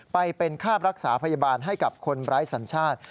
ไปเป็นค่ารักษาพยาบาลให้กับคนไร้สัญชาติ